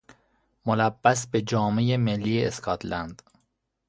ملبس به جامهی ملی اسکاتلند